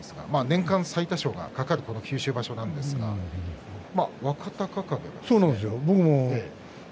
年間最多勝が懸かるこの九州場所なんですが若隆景が。